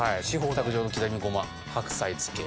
卓上の刻みごま白菜漬け。